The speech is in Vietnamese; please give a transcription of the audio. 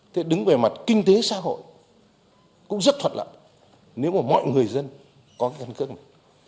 thế đứng về mặt kinh tế xã hội cũng rất thuận lợi nếu mà mọi người dân có cái căn cước này